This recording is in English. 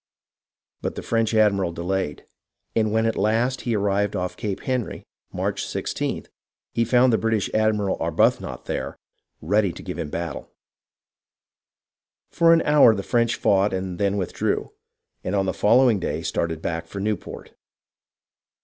But the French admiral delayed, and when at last he arrived off Cape Henry, March i6th, he found the British admiral, Arbuthnot, there ready to give him battle. For an hour the French fought and then withdrew, and on the following day started back for Newport